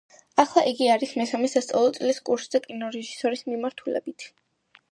ახლა იგი არის მესამე სასწავლო წლის კურსზე, კინორეჟისორის მიმართულებით.